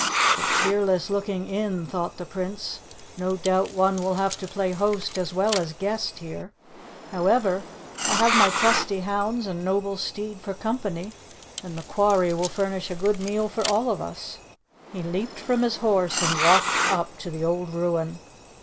"A cheerless looking inn," thought the Prince. "No doubt one will have to play host as well as guest here. However, I have my trusty hounds and noble steed for company, and the quarry will furnish a good meal for all of us." He leaped from his horse and walked up to the old ruin.